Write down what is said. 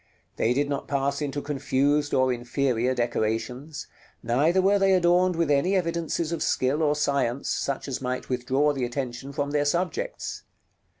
They did not pass into confused or inferior decorations; neither were they adorned with any evidences of skill or science, such as might withdraw the attention from their subjects.